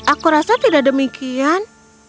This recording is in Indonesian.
aku rasa tidak demikian